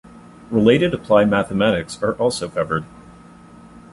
Related applied mathematics are also covered.